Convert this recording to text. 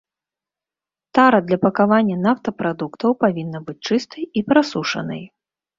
Тара для пакавання нафтапрадуктаў павінна быць чыстай і прасушанай.